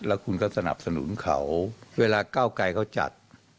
แล้วคุณก็สนับสนุนเขาเวลาเก้าไกรเขาจัด